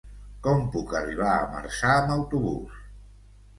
Com puc arribar a Marçà amb autobús?